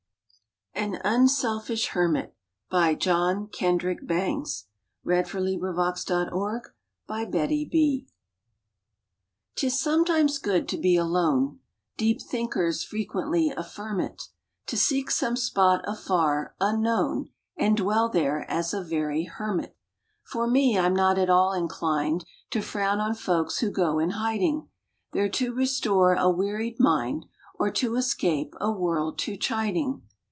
le is, forlorn, To perish when tis punctured by A thorn ! AN UNSELFISH HERMIT } nn IS sometimes good to be alone A Deep thinkers frequently affirm it To seek some spot afar, unknown, And dwell there as a very Hermit. For me, I m not at all inclined To frown on folks who go in hiding, There to restore a wearied mind, Or to escape a world too chiding.